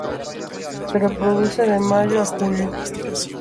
Se reproduce de mayo a julio.